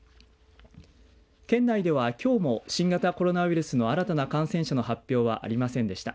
県内では、きょうも新型コロナウイルスの新たな感染者の発表はありませんでした。